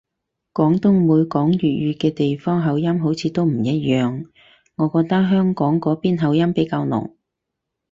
廣東每講粵語嘅地方口音好似都唔一樣，我覺得香港嗰邊口音比較濃